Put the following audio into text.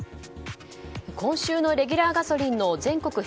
今週のレギュラーガソリンの全国